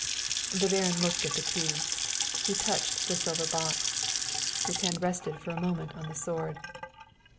The Baron looked at the key; he touched the silver box; his hand rested for a moment on the sword.